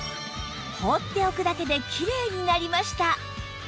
放っておくだけでキレイになりました